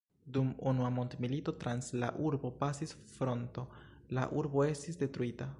Dum Unua mondmilito trans la urbo pasis fronto, la urbo estis detruita.